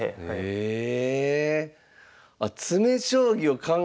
へえ！